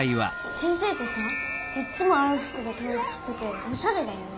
先生ってさいっつも青いふくでとう一してておしゃれだよね？